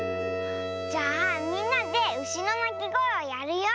じゃあみんなでうしのなきごえをやるよ。